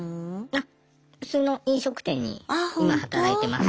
あっ普通の飲食店に今働いてます。